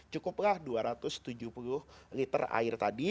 cukuplah dua ratus tujuh puluh liter air tadi